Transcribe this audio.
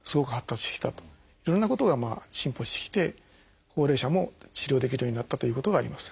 いろんなことが進歩してきて高齢者も治療できるようになったということがあります。